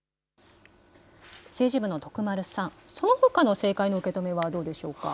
政治部の徳丸さん、このほかの政界の受け止めはどうでしょうか。